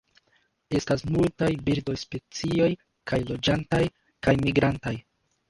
Estas multaj birdospecioj, kaj loĝantaj kaj migrantaj.